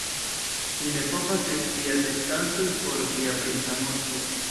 Ni ne povas esti atestantoj por via princa moŝto.